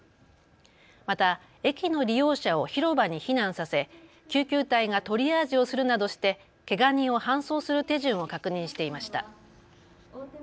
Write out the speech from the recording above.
また駅の利用者を広場に避難させ救急隊がトリアージをするなどしてけが人を搬送する手順を確認していました。